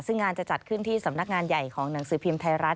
ซึ่งงานจะจัดขึ้นที่สำนักงานใหญ่ของหนังสือพิมพ์ไทยรัฐ